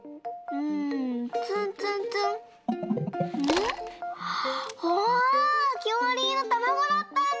うわきょうりゅうのたまごだったんだ！